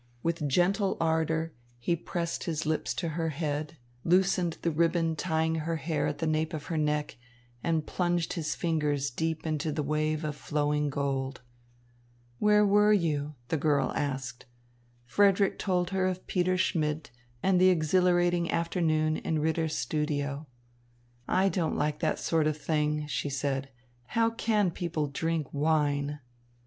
With gentle ardour he pressed his lips to her head, loosened the ribbon tying her hair at the nape of her neck, and plunged his fingers deep into the wave of flowing gold. "Where were you?" the girl asked. Frederick told her of Peter Schmidt and the exhilarating afternoon in Ritter's studio. "I don't like that sort of thing," she said. "How can people drink wine?"